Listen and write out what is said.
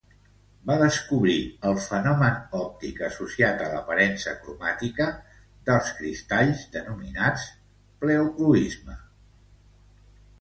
Va descobrir el fenomen òptic associat a l'aparença cromàtica dels cristalls denominat pleocroisme.